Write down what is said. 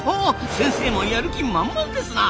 先生もやる気満々ですな。